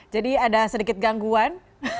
jadi ada sedikit gangguan